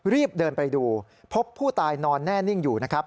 รีบเดินไปดูพบผู้ตายนอนแน่นิ่งอยู่นะครับ